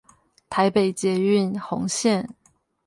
台北捷運紅線